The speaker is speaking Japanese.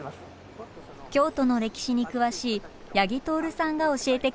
京都の歴史に詳しい八木透さんが教えてくれました。